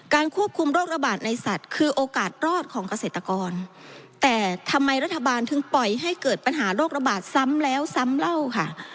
ควบคุมโรคระบาดในสัตว์คือโอกาสรอดของเกษตรกรแต่ทำไมรัฐบาลถึงปล่อยให้เกิดปัญหาโรคระบาดซ้ำแล้วซ้ำเล่าค่ะ